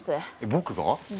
僕が？